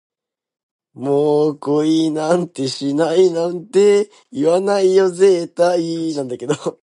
もう恋なんてしないなんて、言わないよ絶対